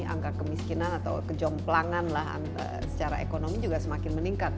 angka kemiskinan atau kejomplangan lah secara ekonomi juga semakin meningkat